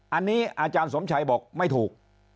อันนี้อาจารย์สมชัยบอกไม่ถูก